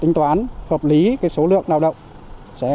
tính toán hợp lý số lượng lao động